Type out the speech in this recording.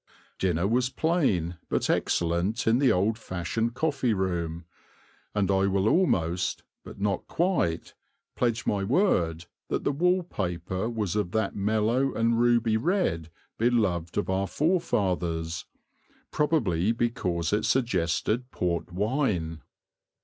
Dinner was plain but excellent in the old fashioned coffee room, and I will almost, but not quite, pledge my word that the wall paper was of that mellow and ruby red beloved of our forefathers, probably because it suggested port wine.